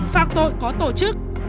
phạt tội có tổ chức